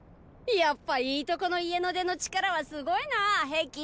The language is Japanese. やっぱいいとこの家の出の力はすごいなー壁。